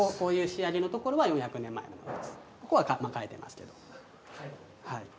ここは替えてますけど。